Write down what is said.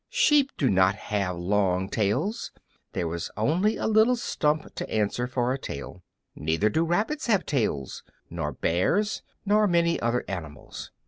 Sheep do not have long tails there is only a little stump to answer for a tail. Neither do rabbits have tails, nor bears, nor many other animals.